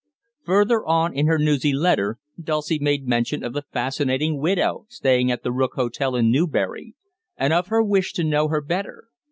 Further on in her newsy letter Dulcie made mention of the fascinating widow staying at the Rook Hotel in Newbury, and of her wish to know her better.